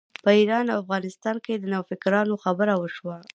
په ایران او افغانستان کې د نوفکرانو خبره وشوه.